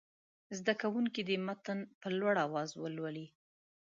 زده کوونکي دې متن په لوړ اواز ولولي.